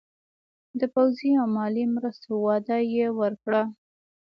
د پوځي او مالي مرستو وعده یې ورکړه.